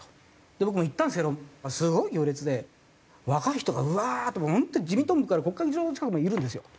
で僕も行ったんですけどすごい行列で若い人がワーッと本当に自民党本部から国会議事堂の近くまでいるんですよ。